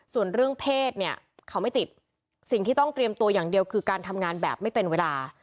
ส่วนเรื่องเพศเนี่ยเขาไม่ติดสิ่งที่ต้องเตรียมตัวอย่างเดียวคือการทำงานแบบไม่เป็นเวลา